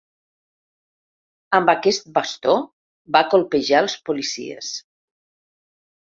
Amb aquest bastó va colpejar els policies.